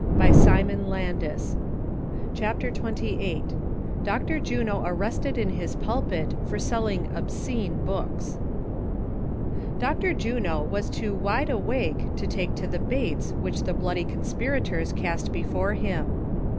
121 CHAPTER XXVIII. DOCTOR JUNO ARRESTED IN HIS PULPIT FOR SELLING "obscene" BOOKS. OCTOR JUXO was too wide awake to take to the baits which the bloody conspirators cast before him.